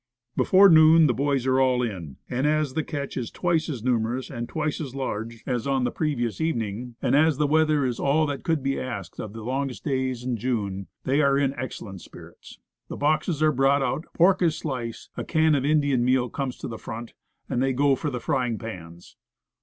Before noon the boys are all in, and as the catch is twice as numerous and twice as large as on the pre vious evening, and as the weather is all that could be asked of the longest days in June, they are in ex cellent spirits. The boxes are brought out, pork is sliced, a can of Indian meal comes to the front, and then they go for the frying pans.